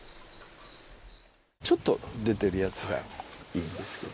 ちょっと出ているやつはいいんですけど。